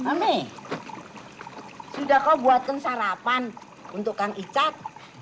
ami sudah kau buatkan sarapan untuk kang icat